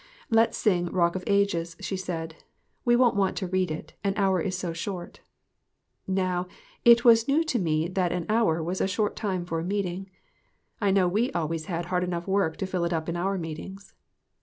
"Let's sing 'Rock of Ages,'" she said. "We won't wait to read it ; an hour is so short." Now, it was new to me that an hour was a short time for a meeting, I know we always had hard enough work to fill it up in our meetings.